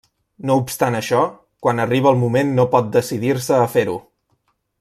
No obstant això, quan arriba el moment no pot decidir-se a fer-ho.